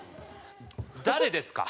誰ですか？